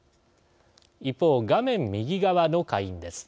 一方、画面右側の下院です。